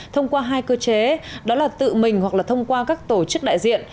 thông qua hai cơ chế đó là tự mình hoặc là thông qua các tổ chức đại diện